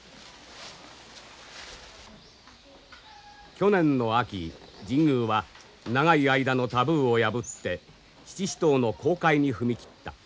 去年の秋神宮は長い間のタブーを破って七支刀の公開に踏み切った。